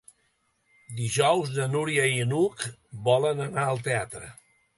Dijous na Núria i n'Hug volen anar al teatre.